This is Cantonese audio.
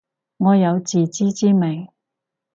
我有自知之明